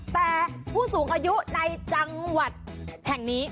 แต่ผู้สูงอายุในจังหวัดแห่งนี้